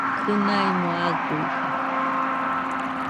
Kɨnaimo aguide